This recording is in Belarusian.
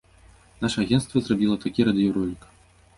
Наша агенцтва зрабіла такі радыёролік.